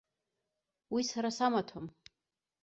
Уи сара самаҭәам.